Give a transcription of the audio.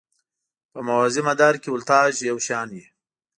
په موازي مدار کې ولتاژ یو شان وي.